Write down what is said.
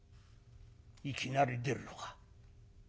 いきなり出るのか。